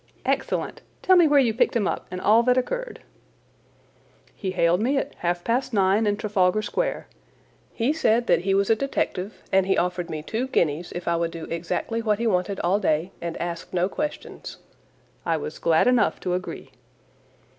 "Excellent! Tell me where you picked him up and all that occurred." "He hailed me at half past nine in Trafalgar Square. He said that he was a detective, and he offered me two guineas if I would do exactly what he wanted all day and ask no questions. I was glad enough to agree.